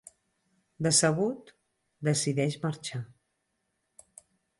Decebut, decideix marxar.